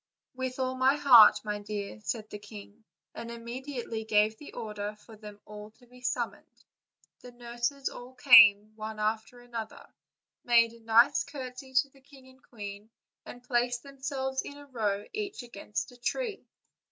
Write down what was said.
"With all my heart, my dear," said the king, and im mediately gave order for them all to be summoned. The nurses all came, one after another, made a nice courtesy to the king and queen, and placed thems3lves in a row each against a tree.